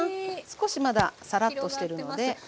少しまださらっとしてるので。